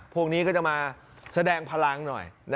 พวกนี้ก็จะมาแสดงพลังหน่อย